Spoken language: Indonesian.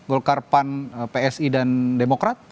golkar pan psi dan demokrat